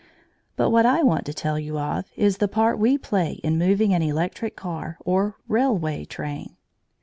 But what I want to tell you of, is the part we play in moving an electric car or railway train.